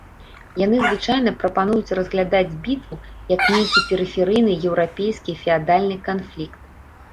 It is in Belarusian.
Яны звычайна прапануюць разглядаць бітву як нейкі перыферыйны еўрапейскі феадальны канфлікт.